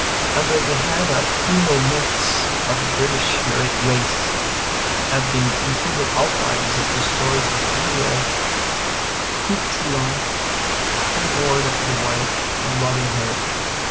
Under the head of "Hero Myths of the British Race" have been included outlines of the stories of Beowulf, Cuchulain, Hereward the Wake, and Robin Hood.